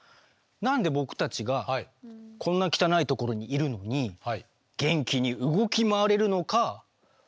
何で僕たちがこんな汚いところにいるのに元気に動き回れるのか不思議に思わないＧか？